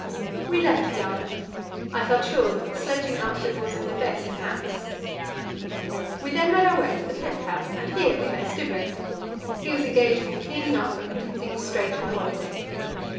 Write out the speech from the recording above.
We left Bjaaland. I felt sure that the sledging outfit was in the best of hands. We then made our way into the pent house, and here we met Stubberud. He was engaged in cleaning up and putting things straight for the holiday.